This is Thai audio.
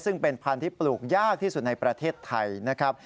ซึ่งเป็นพันธุ์ที่ปลูกยากที่สุดในประเทศไทยนะครับ